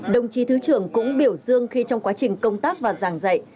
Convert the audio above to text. đồng chí thứ trưởng cũng biểu dương khi trong quá trình công tác và giảng dạy